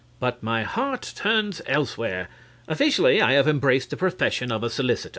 But my heart turns elsewhere. Officially I have embraced the profession of a solicitor (Frankly, to MRS.